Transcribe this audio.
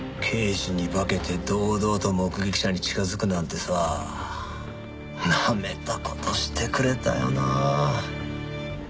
刑事に化けて堂々と目撃者に近づくなんてさなめた事してくれたよな。